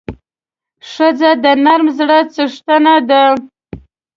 ښځه د نرم زړه څښتنه ده.